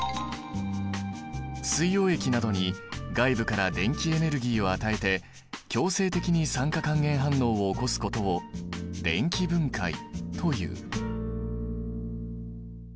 水溶液などに外部から電気エネルギーを与えて強制的に酸化還元反応を起こすことを電気分解という。